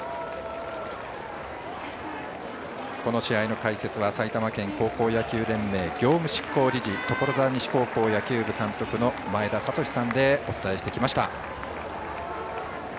この試合の解説は埼玉県高校野球連盟業務執行理事所沢西高校野球部監督の前田聡さんでお伝えしてきました。